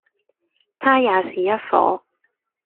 他也是一夥，